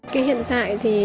cái hiện tại thì